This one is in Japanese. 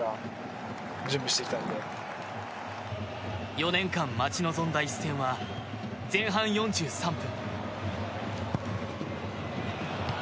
４年間待ち望んだ一戦は前半４３分。